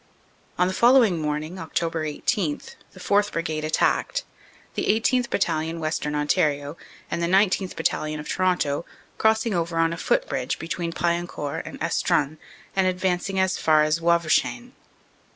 On the following morning, Oct. 18, the 4th. Brigade attacked, the 18th. Battalion, Western Ontario, and 19th. Battalion, of Toronto, crossing over on a footbridge between Paillencourt and Estrun and advancing as far as Wavrechain.